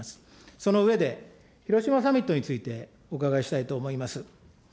その上で、広島サミットについて、お伺いしたいと思います。